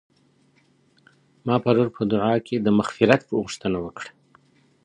ما پرون په دعا کي د مغفرت غوښتنه وکړه.